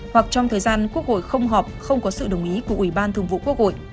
hoặc trong thời gian quốc hội không họp không có sự đồng ý của ủy ban thường vụ quốc hội